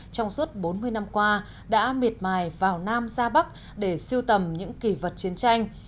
trong suốt bốn mươi năm qua đã miệt mài vào nam ra bắc để siêu tầm những kỷ vật chiến tranh